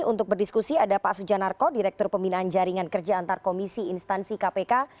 untuk berdiskusi ada pak sujanarko direktur pembinaan jaringan kerja antar komisi instansi kpk